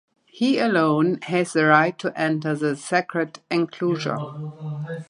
He alone has the right to enter the sacred enclosure.